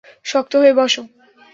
শক্ত হয়ে বসো!